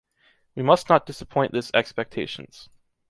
We must not disappoint this expectations.